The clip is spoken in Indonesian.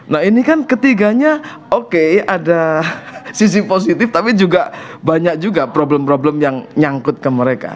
nah ini kan ketiganya oke ada sisi positif tapi juga banyak juga problem problem yang nyangkut ke mereka